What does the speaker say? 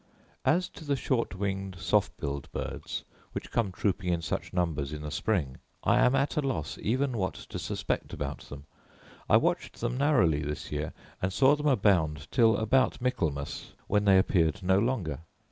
As to the short winged soft billed birds, which come trooping in such numbers in the spring, I am at a loss even what to suspect about them. I watched them narrowly this year, and saw them abound till about Michaelmas, when they appeared no longer.